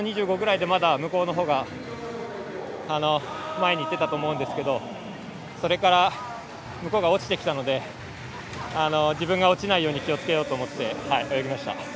向こうのほうが前にいってたと思うんですけどそれから向こうが落ちてきたので自分が落ちないように気をつけようと思って泳ぎました。